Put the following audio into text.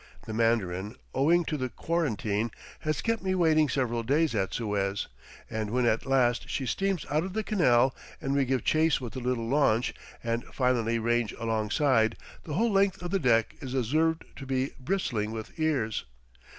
The Mandarin, owing to the quarantine, has kept me waiting several days at Suez, and when at last she steams out of the canal and we give chase with the little launch, and finally range alongside, the whole length of the deck is observed to be bristling with ears.